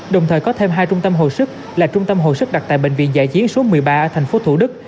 đồng thời có thêm hai trung tâm hỗ sức là trung tâm hỗ sức đặt tại bệnh viện giải chí số một mươi ba ở tp thủ đức